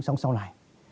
sống sau này